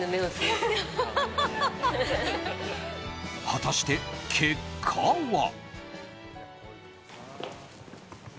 果たして、結果は。